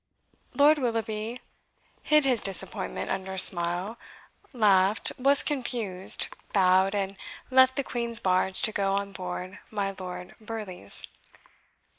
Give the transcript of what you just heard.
Lord Willoughby hid his disappointment under a smile laughed, was confused, bowed, and left the Queen's barge to go on board my Lord Burleigh's.